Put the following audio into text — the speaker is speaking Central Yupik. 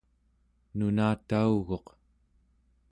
nunatauguq